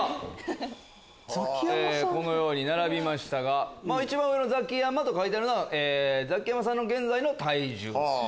このように並びましたが一番上の「ザキヤマ」と書いてあるのはザキヤマさんの現在の体重。